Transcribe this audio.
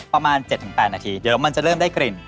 ประมาณ๗๘นาทีเดี๋ยวมันจะเริ่มได้กลิ่น